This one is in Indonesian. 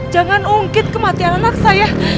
jangan ungkit kematian anak saya